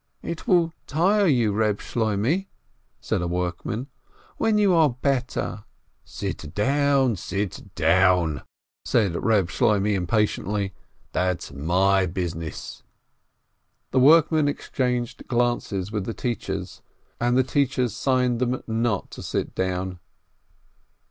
"It will tire you, Reb Shloimeh," said a workman. "When you are better " "Sit down, sit down!" said Reb Shloimeh, im patiently. "That's my business !" 23 350 PINSKI The workmen exchanged glances with the teachers and the teachers signed to them not to sit down.